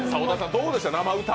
どうでした、生歌。